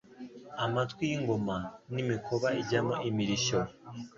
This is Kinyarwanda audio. Amatwi y'ingoma n' Imikoba ijyamo imirishyo